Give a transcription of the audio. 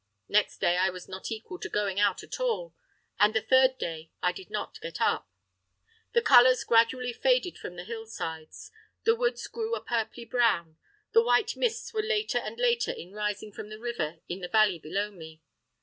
Next day I was not equal to going out at all, and the third day I did not get up. The colours gradually faded from the hillsides; the woods grew a purply brown; the white mists were later and later in rising from the river in the valley below me.